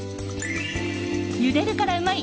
ゆでるからうまい！